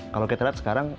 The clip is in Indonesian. kalau kita lihat sekarang